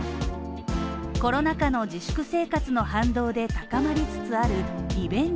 コロナ禍の自粛生活の反動で高まりつつあるリベンジ